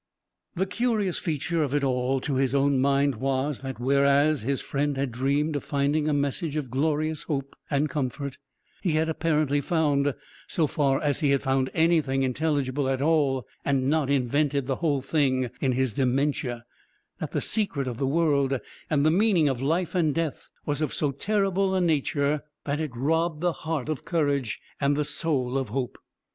The curious feature of it all to his own mind was, that whereas his friend had dreamed of finding a message of glorious hope and comfort, he had apparently found (so far as he had found anything intelligible at all, and not invented the whole thing in his dementia) that the secret of the world, and the meaning of life and death, was of so terrible a nature that it robbed the heart of courage and the soul of hope.